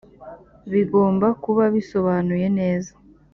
bigomba kuba bisobanuye neza